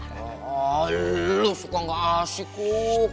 aduh lu suka gak asik kok